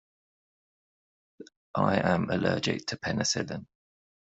I am allergic to penicillin.